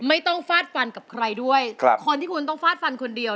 ไม่ต้องฝาดฟันกับใครด้วยคนที่คุณต้องฝาดฟันคนเดียว